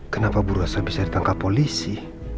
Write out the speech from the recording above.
kenapa buruh saya bisa ditangkap polisi